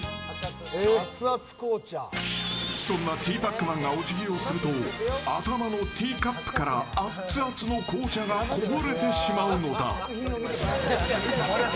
そんなティーパックマンがおじぎをすると頭のティーカップからアッツアツの紅茶がこぼれてしまうのだ。